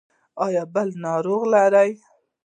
ایا بل ناروغ لرئ؟